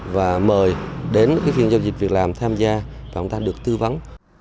và mời đến phiên giao dịch việc làm tham gia và chúng ta được tư vấn